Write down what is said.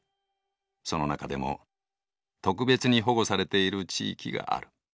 その中でも特別に保護されている地域がある。